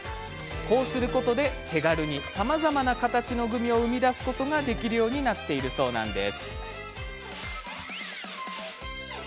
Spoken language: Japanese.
こうすることで手軽にさまざまな形のグミを生み出すことができるようになっているそうなんです。